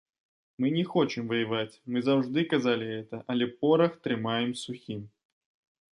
Мы не хочам ваяваць, мы заўжды казалі гэта, але порах трымаем сухім.